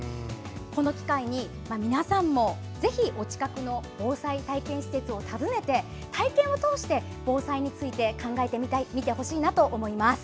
この機会に、皆さんもぜひ、お近くの防災体験施設を訪ねて体験を通して防災のことを考えてみてください。